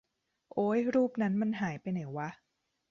โอ๊ยรูปนั้นมันหายไปไหนวะ